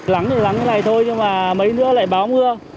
lắng thì lắng như thế này thôi nhưng mà mấy nữa lại báo mưa